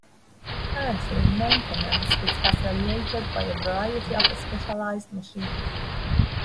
Currently, maintenance is facilitated by a variety of specialised machines.